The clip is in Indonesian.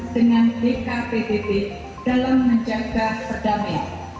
dengan bkpdb dalam menjaga perdamaian